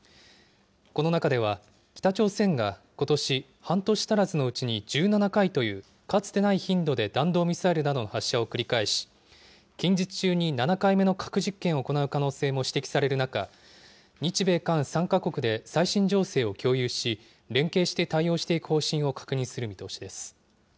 この中では、北朝鮮がことし、半年足らずのうちに１７回というかつてない頻度で弾道ミサイルなどの発射を繰り返し、近日中に７回目の核実験を行う可能性も指摘される中、日米韓３か国で最新情勢を共有し、連携して対応していく方針を確認する見通しです。